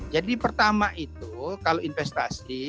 jadi pertama itu kalau investasi